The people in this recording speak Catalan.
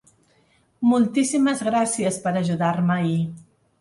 Moltíssimes gràcies per ajudar-me ahir.